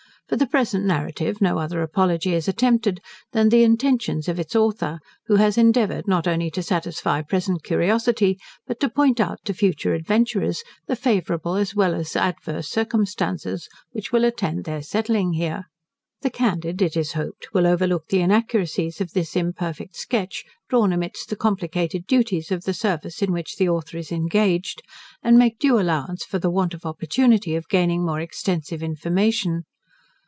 For the present narrative no other apology is attempted, than the intentions of its author, who has endeavoured not only to satisfy present curiosity, but to point out to future adventurers, the favourable, as well as adverse circumstances which will attend their settling here. The candid, it is hoped, will overlook the inaccuracies of this imperfect sketch, drawn amidst the complicated duties of the service in which the Author is engaged, and make due allowance for the want of opportunity of gaining more extensive information.